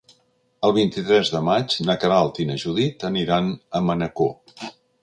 El vint-i-tres de maig na Queralt i na Judit aniran a Manacor.